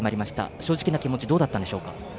正直な気持ちどうだったんでしょうか？